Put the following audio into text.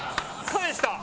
「返した」